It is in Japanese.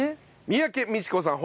三宅みち子さん